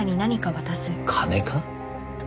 金か？